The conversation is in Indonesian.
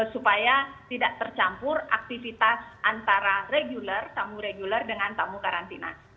supaya tidak tercampur aktivitas antara regular tamu regular dengan tamu karantina